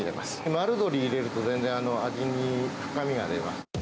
丸鶏入れると、全然味に深みが出ます。